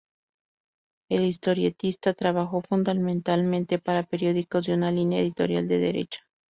El historietista trabajó fundamentalmente para periódicos de una línea editorial de derecha.